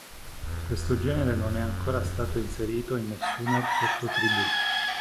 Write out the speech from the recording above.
Questo genere non è ancora stato inserito in nessuna sottotribù.